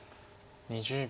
２０秒。